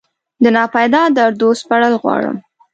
دناپیدا دردو سپړل غواړم